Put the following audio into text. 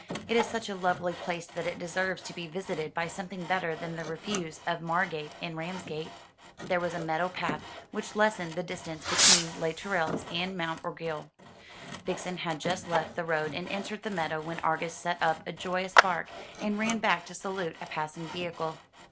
"It is such a lovely place that it deserves to be visited by something better than the refuse of Margate and Ramsgate." There was a meadow path which lessened the distance between Les Tourelles and Mount Orgueil. Vixen had just left the road and entered the meadow when Argus set up a joyous bark, and ran back to salute a passing vehicle.